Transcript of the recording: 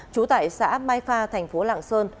chú tại xã mai pha tp lạng sơn